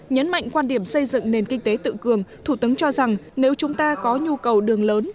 nhấn mạnh quan điểm xây dựng nền kinh tế tự cường thủ tướng cho rằng nếu chúng ta có nhu cầu đường lớn